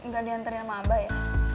gak diantriin sama aba ya